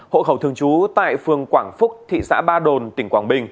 hộ khẩu thường trú tại phường quảng phúc thị xã ba đồn